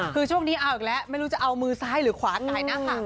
คือช่วงนี้เอาอีกแล้วไม่รู้จะเอามือซ้ายหรือขวาไกลนะคะ